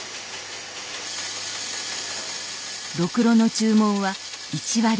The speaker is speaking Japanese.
ろくろの注文は１割以下に。